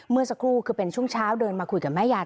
เมื่อสักครู่คือเป็นช่วงเช้าเดินมาคุยกับแม่ยาย